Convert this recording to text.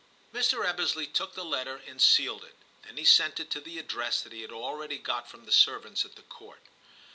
Mr. Ebbesley took the letter and sealed it ; then he sent it to the address that he had already got from the servants at the Court.